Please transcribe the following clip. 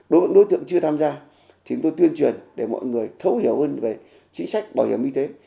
đối với những đối tượng chưa tham gia thì chúng tôi tuyên truyền để mọi người thấu hiểu hơn về chính sách bảo hiểm y tế